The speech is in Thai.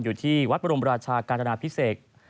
อยู่ที่วัดบรมราชากาญนาพิเศษ